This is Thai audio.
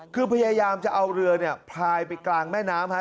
คือพยายามจะเอาเรือเนี่ยพายไปกลางแม่น้ำฮะ